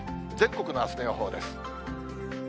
全国のあすの予報です。